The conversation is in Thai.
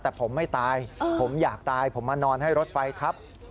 แต่ผมไม่ตายผมอยากตายผมมานอนให้รถไฟทับ